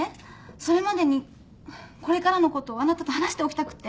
それまでにこれからのことあなたと話しておきたくって！